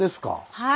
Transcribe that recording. はい。